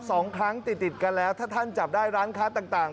สองครั้งติดติดกันแล้วถ้าท่านจับได้ร้านค้าต่างต่าง